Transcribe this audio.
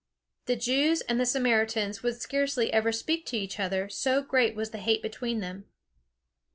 The Jews and the Samaritans would scarcely ever speak to each other, so great was the hate between them.